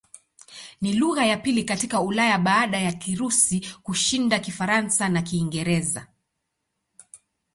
Ni lugha ya pili katika Ulaya baada ya Kirusi kushinda Kifaransa na Kiingereza.